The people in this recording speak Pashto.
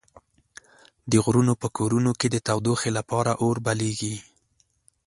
د غرونو په کورونو کې د تودوخې لپاره اور بليږي.